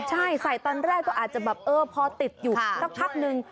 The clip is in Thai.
ใช่ใส่ตอนแรกก็อาจจะแบบเออพอติดอยู่สักพักนึง